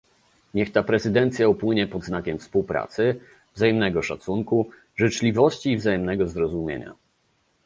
Niech ta prezydencja upłynie pod znakiem współpracy, wzajemnego szacunku, życzliwości i wzajemnego zrozumienia